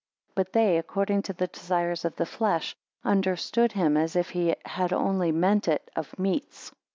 But they according to the desires of the flesh, understood him as if he had only meant it of meats.